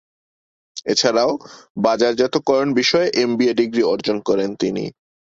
এছাড়াও, বাজারজাতকরণ বিষয়ে MBA degree অর্জন করেন তিনি।